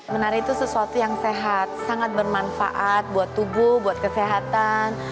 menari itu sesuatu yang sehat sangat bermanfaat buat tubuh buat kesehatan